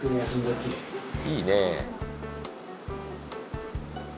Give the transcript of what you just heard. いいね。